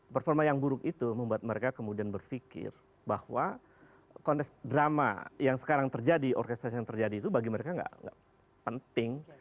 performa yang buruk itu membuat mereka kemudian berpikir bahwa konteks drama yang sekarang terjadi orkestrasi yang terjadi itu bagi mereka nggak penting